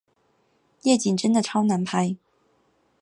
夜景真的超难拍